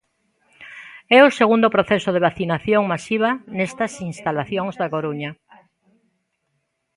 É o segundo proceso de vacinación masiva nestas instalacións da Coruña.